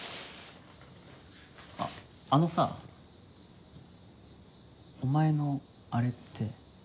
あっあのさお前のあれって。